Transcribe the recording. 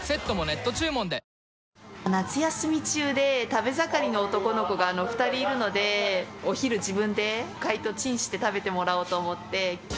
食べ盛りの男の子が２人いるので、お昼、自分で解凍、チンして食べてもらおうと思って。